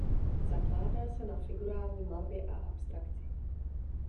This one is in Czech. Zakládá se na figurální malbě a abstrakci.